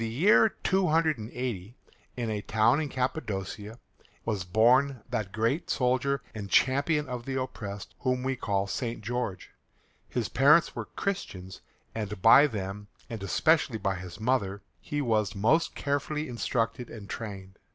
GEORGE In the year 280, in a town in Cappadocia, was born that great soldier and champion of the oppressed whom we call St. George. His parents were Christians, and by them, and especially by his mother, he was most carefully instructed and trained.